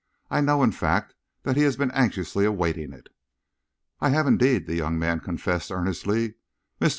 I know, in fact, that he has been anxiously awaiting it." "I have indeed," the young man confessed earnestly. "Mr.